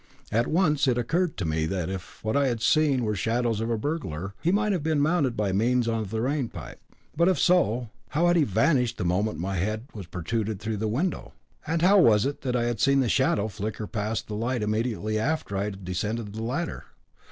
It at once occurred to me that if what I had seen were the shadow of a burglar, he might have mounted by means of the rain water pipe. But if so how had he vanished the moment my head was protruded through the window? and how was it that I had seen the shadow flicker past the light immediately after I had descended the ladder?